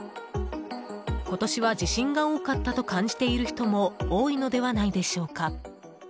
今年は地震が多かったと感じている人も多いのではないでしょうか。